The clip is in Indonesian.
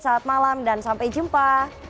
selamat malam dan sampai jumpa